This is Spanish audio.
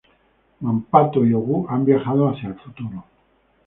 Mampato y Ogú han viajado hacia el futuro.